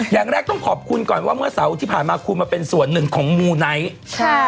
อย่างแรกต้องขอบคุณก่อนว่าเมื่อเสาร์ที่ผ่านมาคุณมาเป็นส่วนหนึ่งของมูไนท์ค่ะ